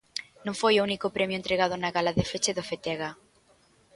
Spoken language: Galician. Non foi o único premio entregado na gala de feche do Fetega.